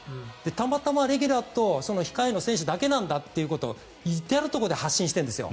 たまたまレギュラーと控えの選手だけなんだということを至るところで発信してるんですよ。